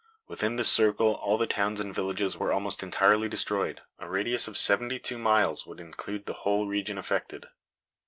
Within this circle all the towns and villages were almost entirely destroyed. A radius of seventy two miles would include the whole region affected.